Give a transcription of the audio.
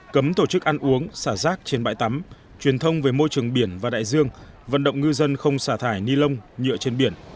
cấm tổ chức ăn uống xả rác trên bãi tắm truyền thông về môi trường biển và đại dương vận động ngư dân không xả thải ni lông nhựa trên biển